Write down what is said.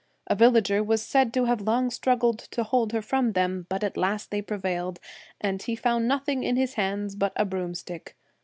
A villager was said to have long struggled to hold her from them, but at last they prevailed, and he found nothing in his hands but a broom stick.